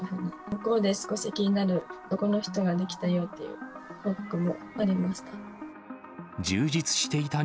向こうで少し気になる男の人ができたよっていう報告もありました。